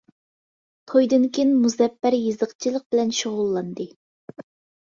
تويدىن كېيىن مۇزەپپەر يېزىقچىلىق بىلەن شۇغۇللاندى.